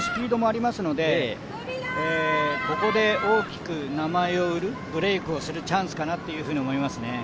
そこにスピードもありますので、ここで大きく名前を売る、ブレークするチャンかなと思いますね。